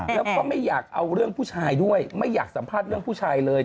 แล้วก็ไม่อยากเอาเรื่องผู้ชายด้วยไม่อยากสัมภาษณ์เรื่องผู้ชายเลย